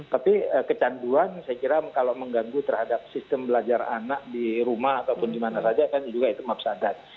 tapi kecanduan saya kira kalau mengganggu terhadap sistem belajar anak di rumah ataupun dimana saja kan juga itu mapsadat